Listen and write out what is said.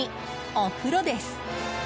お風呂です。